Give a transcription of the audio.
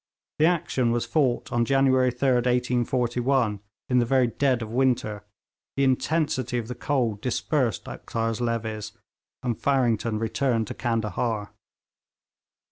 The action was fought on January 3, 1841, in the very dead of winter; the intensity of the cold dispersed Uktar's levies, and Farrington returned to Candahar.